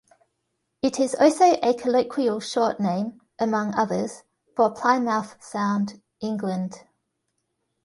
It is also a colloquial short name, among others, for Plymouth Sound, England.